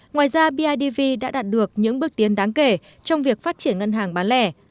ngoài ra bidv đã đạt được những bước tiến đáng kể trong việc phát triển ngân hàng bán lẻ